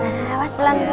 nah awas pelan pelan